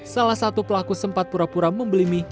salah satu pelaku sempat pura pura membelimi